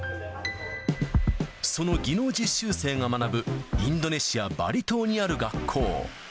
その技能実習生が学ぶインドネシア・バリ島にある学校。